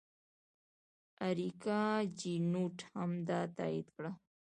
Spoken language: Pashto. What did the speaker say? اریکا چینوت هم دا تایید کړه.